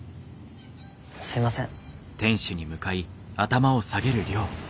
すいません。